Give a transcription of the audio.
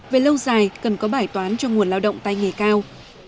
về lâu dài cần có bài toán cho nguồn lao động tay nghề cao